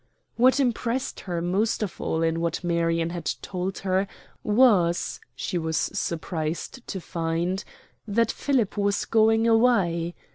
What impressed her most of all in what Marion had told her, was, she was surprised to find, that Philip was going away.